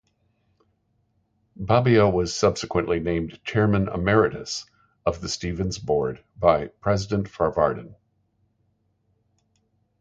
Babbio was subsequently named Chairman Emeritus of the Stevens Board by President Farvardin.